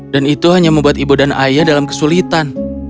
dan itu hanya membuat ibu dan ayah dalam kesulitan